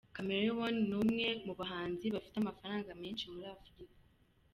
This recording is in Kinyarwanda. Chameleone ni umwe mu bahanzi bafite amafaranga menshi muri Afurika.